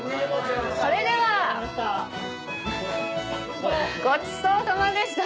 それではごちそうさまでした！